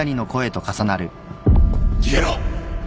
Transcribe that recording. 逃げろ！